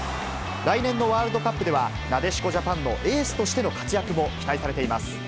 来年のワールドカップでは、なでしこジャパンのエースとしての活躍も期待されています。